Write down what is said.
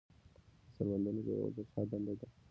د سربندونو جوړول د چا دنده ده؟